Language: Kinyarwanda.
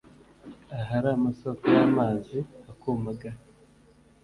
ahari amasoko y’amazi hakumagara